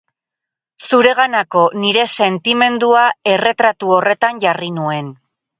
Zureganako nire sentimendua erretratu horretan jarri nuen.